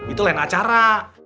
itu lain acara